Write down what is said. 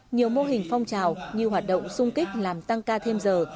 nhiều mô hình phong trào như hoạt động sung kích làm tăng ca thêm giờ